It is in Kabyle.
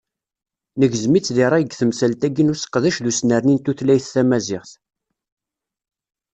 Negzem-itt deg ṛṛay deg temsalt-agi n useqdec d usnerni n tutlayt n tmaziɣt.